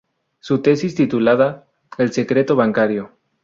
Su tesis, titulada "El secreto bancario.